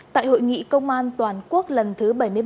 tại hội nghị công an toàn quốc lần thứ bảy mươi ba